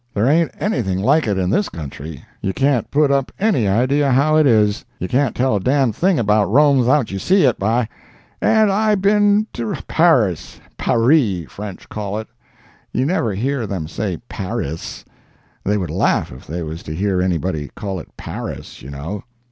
There ain't anything like it in this country—you can't put up any idea how it is; you can't tell a d—d thing about Rome 'thout you see it, by. And I been to Paris—Parree, French call it—you never hear them say Parriss—they would laugh if they was to hear any body call it Parriss, you know.